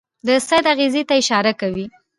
د سید اغېزې ته اشاره کوي.